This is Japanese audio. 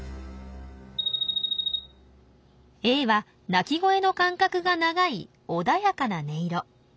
Ａは鳴き声の間隔が長い穏やかな音色。